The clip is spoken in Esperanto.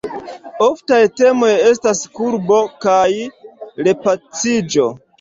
Oftaj temoj estas kulpo kaj repaciĝo.